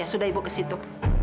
sudah ibu ke situ